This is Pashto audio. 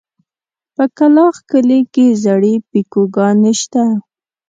په کلاخ کلي کې زړې پيکوگانې شته.